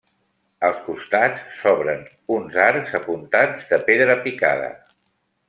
Als costats, s'obren uns arcs apuntats de pedra picada.